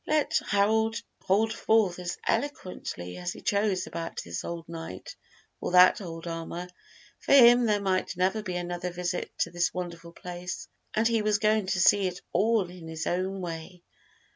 Let Harold hold forth as eloquently as he chose about this old knight or that old armor, for him there might never be another visit to this wonderful place, and he was going to see it all in his own way.